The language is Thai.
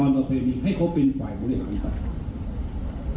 แน่นอนแบบนี้ให้เขาเป็นฝ่ายพริกฐานไป